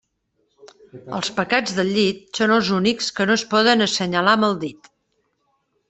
Els pecats del llit són els únics que no es poden assenyalar amb el dit.